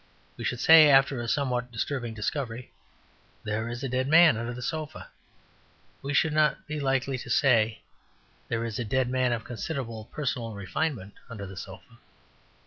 We should say, after a somewhat disturbing discovery, "There is a dead man under the sofa." We should not be likely to say, "There is a dead man of considerable personal refinement under the sofa."